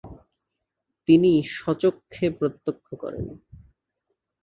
তিনি স্বচক্ষে প্রত্যক্ষ করেন ।